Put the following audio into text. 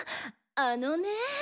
あのね。